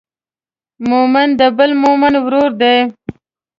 مؤمن د بل مؤمن ورور دی.